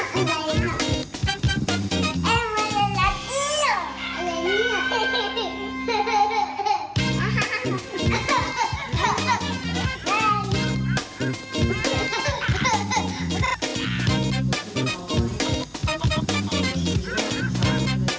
สวัสดีค่ะ